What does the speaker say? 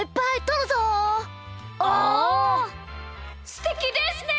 すてきですね！